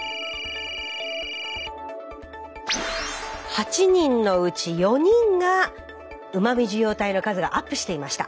８人のうち４人がうま味受容体の数がアップしていました。